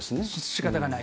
しかたがない。